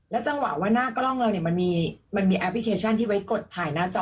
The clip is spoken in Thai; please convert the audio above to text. จังหวะว่าหน้ากล้องเราเนี่ยมันมีแอปพลิเคชันที่ไว้กดถ่ายหน้าจอ